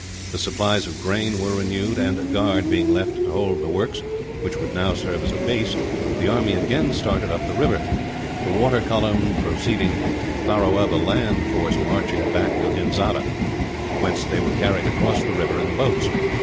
The supplies of grain were renewed and, a guard being left to hold the works, which would now serve as a base, the army again started up the river the water column proceeding to Tharawa, the land force marching back to Henzada, whence they were carried across the river in the boats.